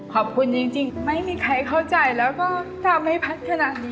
ขอบคุณจริงไม่มีใครเข้าใจแล้วก็ทำให้แพทย์ขนาดนี้